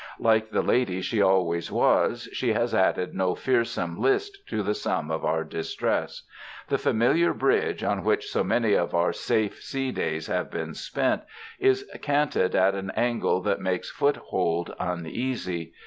Like the lady she always was, she has added no fearsome list to the sum of our distress. The familiar bridge, on which so many of our safe sea days have been spent, is canted at an angle that makes foothold uneasy.